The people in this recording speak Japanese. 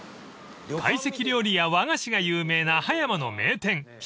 ［会席料理や和菓子が有名な葉山の名店日影茶屋］